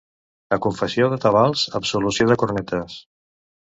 A confessió de tabals, absolució de cornetes.